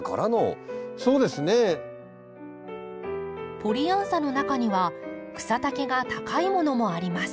ポリアンサの中には草丈が高いものもあります。